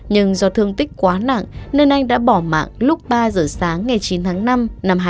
nhưng do thương tích quá nặng nên anh đã bỏ mạng lúc ba giờ sáng ngày chín tháng năm năm hai nghìn hai mươi ba